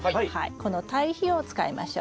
この堆肥を使いましょう。